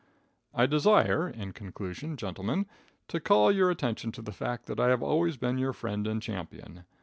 I desire, in conclusion, gentlemen, to call your attention to the fact that I have always been your friend and champion.